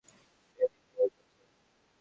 Training কেমন চলছে, মা?